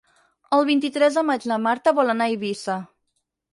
El vint-i-tres de maig na Marta vol anar a Eivissa.